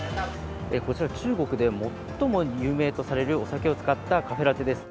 こちら、中国で最も有名とされるお酒を使ったカフェラテです。